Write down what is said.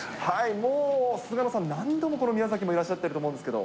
もう菅野さん、何度もこの宮崎もいらっしゃってると思うんですけども。